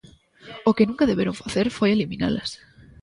O que nunca deberon facer foi eliminalas.